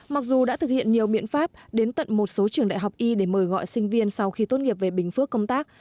mặc dù đã thực hiện nhiều biện pháp đến tận một số trường đại học y để mời gọi sinh viên sau khi tốt nghiệp về bình phước công tác